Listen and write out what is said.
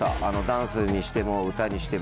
ダンスにしても歌にしても。